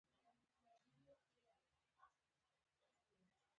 د پانګوال په ودې سره د کارګرانو ژوند ستونزمنېږي